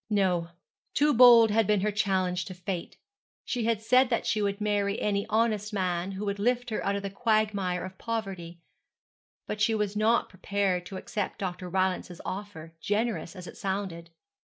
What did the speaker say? No, too bold had been her challenge to fate. She had said that she would marry any honest man who would lift her out of the quagmire of poverty: but she was not prepared to accept Dr. Rylance's offer, generous as it sounded.